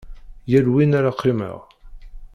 Yal win ara qqimeɣ.